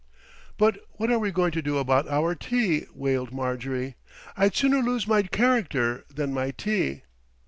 "But what are we going to do about our tea?" wailed Marjorie. "I'd sooner lose my character than my tea."